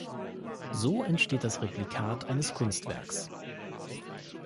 So entsteht das Replikat eines Kunstwerks.